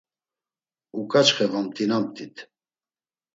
Uǩaçxe vomt̆inamt̆it.